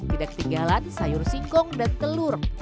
tidak ketinggalan sayur singkong dan telur